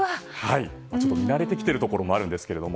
見慣れてきているところもあるんですけど。